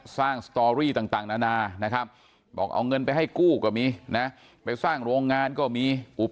สร้างสตอรี่ต่างหนาบอกเอาเงินไปให้กู้ก็มี